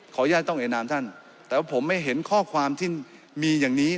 อนุญาตต้องเอนามท่านแต่ว่าผมไม่เห็นข้อความที่มีอย่างนี้